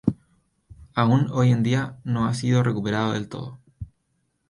Aún hoy en día, no ha sido recuperado del todo.